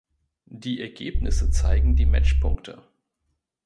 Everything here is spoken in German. Die Ergebnisse zeigen die Matchpunkte.